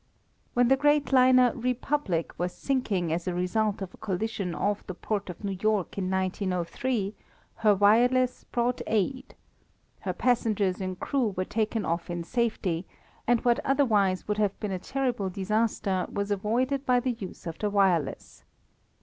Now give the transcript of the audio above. When the great liner Republic was sinking as a result of a collision off the port of New York in 1903 her wireless brought aid. Her passengers and crew were taken off in safety, and what otherwise would have been a terrible disaster was avoided by the use of the wireless.